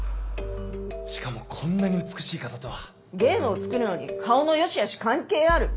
しかもこんなに美しい方とはゲームを作るのに顔の良しあし関係ある？